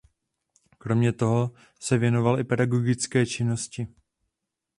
Kromě toho se věnoval i pedagogické činnosti.